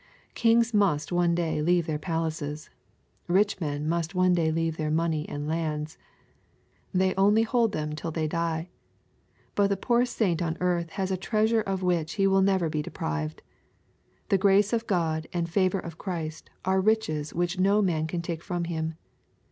Kings must one day leave their palaces. Bich men must one day leave their money and lands. They only hold them till they die. — But the poorest saint on earth has a treasure of which he will never be deprived. The grace of God, and the favor of Christ, are riches which no man can take from him.